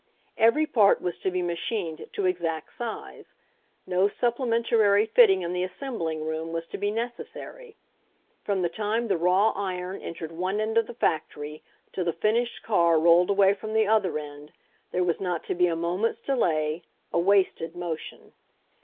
Every part was to be machined to exact size. No supplementary fitting in the assembling room was to be necessary. From the time the raw iron entered one end of the factory till the fin ished car rolled away from the other end, there was not to be a moment's delay, a wasted motion.